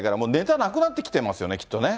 もうネタなくなってきてますよね、きっとね。